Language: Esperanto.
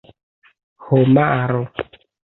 homaro